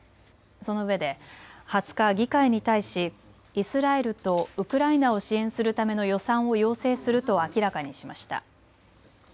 そのうえで２０日、議会に対しイスラエルとウクライナを支援するための予算を要請すると明らかにしました。